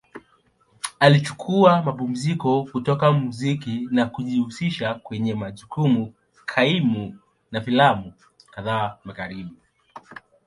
Alichukua mapumziko kutoka muziki na kujihusisha kwenye majukumu kaimu na filamu kadhaa Magharibi.